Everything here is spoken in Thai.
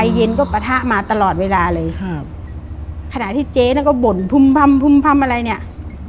เย็นก็ปะทะมาตลอดเวลาเลยครับขณะที่เจ๊น่ะก็บ่นพุ่มพ่ำพึ่มพำอะไรเนี่ย